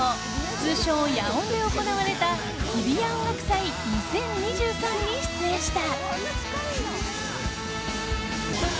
通称、野音で行われた日比谷音楽祭２０２３に出演した。